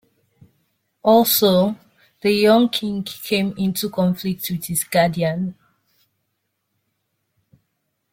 Also the young king came into conflict with his guardian.